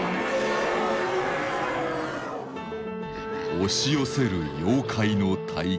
押し寄せる妖怪の大軍。